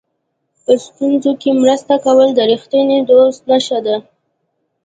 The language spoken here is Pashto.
په ستونزو کې مرسته کول د رښتینې دوستۍ نښه ده.